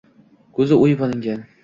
Koʻzi oʻyib olingan